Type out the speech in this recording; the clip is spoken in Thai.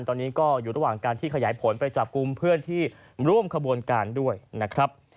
ตอนนี้ก็อยู่ระหว่างการที่ขยายผลไปจับกลุ่มเพื่อนที่ร่วมขบวนการด้วยนะครับ